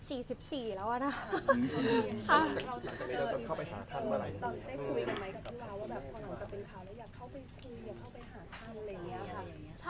เราจะเข้าไปหาท่านเมื่อไหร่อย่างนี้ตอนได้คุยกันไหมกับคุณแม่ว่าอยากเข้าไปคุยอยากเข้าไปหาท่านอะไรอย่างเนี่ยค่ะ